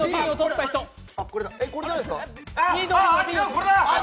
これだ！